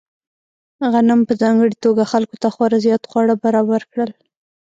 غنم په ځانګړې توګه خلکو ته خورا زیات خواړه برابر کړل.